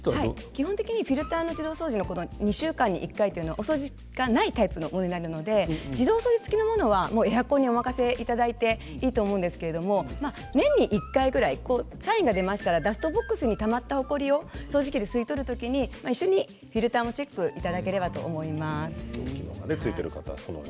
基本的にフィルターの自動掃除は１週間に１回自動掃除付きのものはエアコンにお任せいただいていいと思うんですが年に１回ぐらいサインが出ますからダストボックスにたまったほこりを掃除機で吸い込む時に一緒にフィルターのチェックをしていただければと思います。